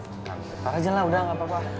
ntar aja lah udah gak apa apa